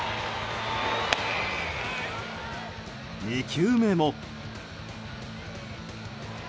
２球目も。